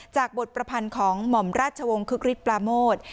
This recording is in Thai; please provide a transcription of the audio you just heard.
จากบทประพันธ์ของหม่อมราชวงศ์คึกฤทธปราโมท